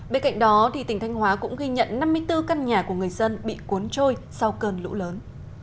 bên cạnh đó tỉnh thanh hóa cũng ghi nhận năm mươi bốn căn nhà của người dân bị cuốn trôi sau cơn lũ lớn